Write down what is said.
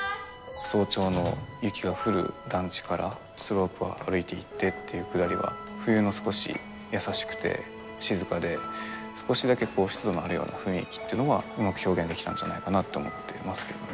早朝の雪が降る団地からスロープを歩いていってっていうくだりは冬の少し優しくて静かで少しだけ湿度のあるような雰囲気ってのはうまく表現できたんじゃないかなと思っていますけどね。